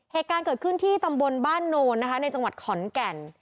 เหตุการณ์เกิดขึ้นที่ตำบลบ้านโนนนะคะในจังหวัดขอนแก่น